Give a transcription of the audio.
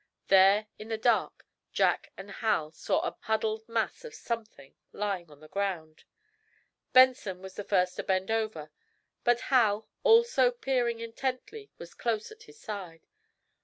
There in the dark Jack and Hal saw a huddled mass of something lying on the ground. Benson was the first to bend over, but Hal, also peering intently, was close at his side.